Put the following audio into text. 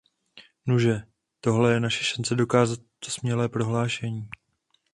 Nuže, tohle je naše šance dokázat toto smělé prohlášení.